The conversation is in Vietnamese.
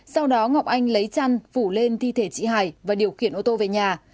sau đó ngọc anh lấy chăn phủ lên thi thể chị hải và điều khiển ô tô về nhà